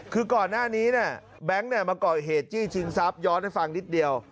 คือก่อนหน้านี้แบงค์มาก่อเหตุจี้ชิงทรัพย้อนให้ฟังนิดเดียว